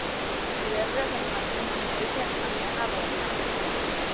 Divendres en Martí i na Mireia aniran a Balenyà.